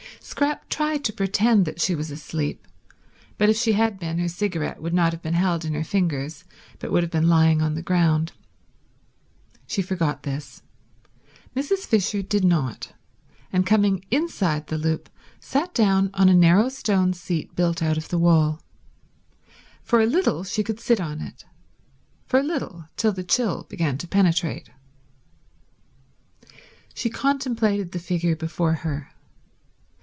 Scrap tried to pretend that she was asleep, but if she had been her cigarette would not have been held in her fingers but would have been lying on the ground. She forgot this. Mrs. Fisher did not, and coming inside the loop, sat down on a narrow stone seat built out of the wall. For a little she could sit on it; for a little, till the chill began to penetrate. She contemplated the figure before her.